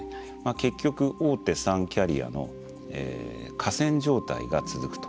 結局大手３キャリアの寡占状態が続くと。